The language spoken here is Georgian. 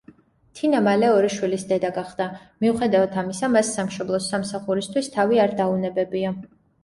თინა მალე ორი შვილის დედა გახდა, მიუხედავად ამისა, მას სამშობლოს სამსახურისთვის თავი არ დაუნებებია.